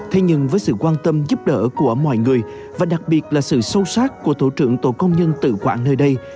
thế nhưng với sự quan tâm giúp đỡ của mọi người và đặc biệt là sự sâu sát của tổ trưởng tổ công nhân tự quản nơi đây